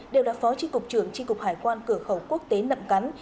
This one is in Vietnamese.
đều là phó tri cục trưởng tri cục hải quan cửa khẩu quốc tế nậm cắn